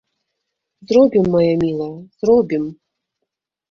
Зробім, мая мілая, зробім.